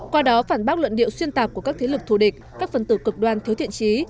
qua đó phản bác luận điệu xuyên tạp của các thế lực thù địch các phần tử cực đoan thiếu thiện trí